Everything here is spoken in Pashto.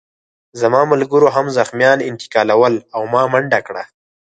زما ملګرو هم زخمیان انتقالول او ما منډه کړه